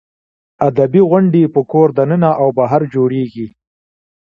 ادبي غونډې په کور دننه او بهر جوړېږي.